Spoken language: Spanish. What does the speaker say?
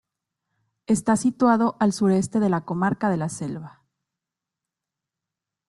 Está situado al sureste de la comarca de la Selva.